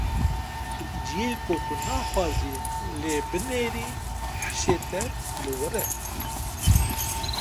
Ciyê ku tu naxwazî lê binêrî, hişê te li wir e.